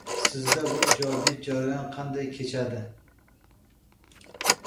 Sizda bu ijodiy jarayon qanday kechadi?